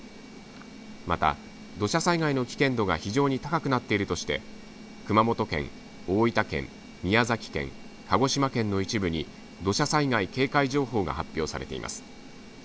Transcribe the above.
また、土砂災害の危険度が非常に高くなっているとして熊本県、大分県宮崎県、鹿児島県の一部に土砂災害警戒情報が発表されています。